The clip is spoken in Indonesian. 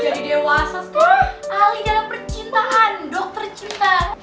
jadi dewasa sekali ahli dalam percintaan dokter cinta